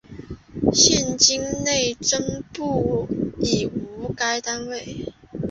现今内政部已无该单位。